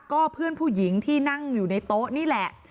ก็เพื่อนผู้หญิงที่นั่งอยู่ในโต๊ะนี่แหละ